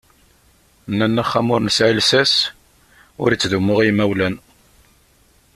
Nnan axxam ur nesεi llsas, ur ittdumu i yimawlan.